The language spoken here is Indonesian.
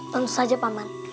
tentu saja paman